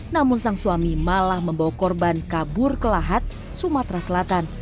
namun sang suami malah membawa korban kabur ke lahat sumatera selatan